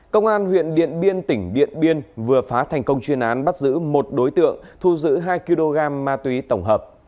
công an huyện điện biên tỉnh điện biên vừa phá thành công chuyên án bắt giữ một đối tượng thu giữ hai kg ma túy tổng hợp